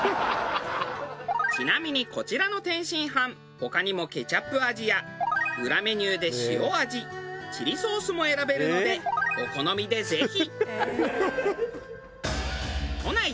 ちなみにこちらの天津飯他にもケチャップ味や裏メニューで塩味チリソースも選べるのでお好みでぜひ。